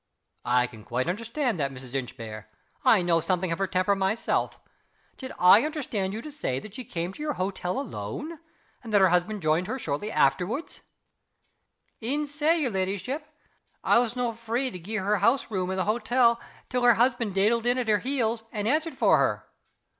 "I can quite understand that, Mrs. Inchbare I know something of her temper myself. Did I understand you to say that she came to your hotel alone, and that her husband joined her shortly afterward?" "E'en sae, yer leddyship. I was no' free to gi' her house room in the hottle till her husband daidled in at her heels and answered for her."